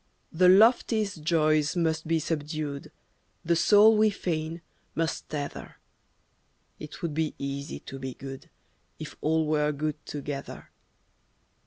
The loftiest joys must be subdued, The soul we fain must tether. It would be easy to be good If all were good together.